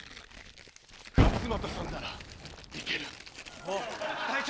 勝俣さんなら行ける。隊長！